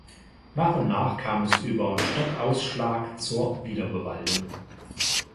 Nach und nach kam es über Stockausschlag zur Wiederbewaldung.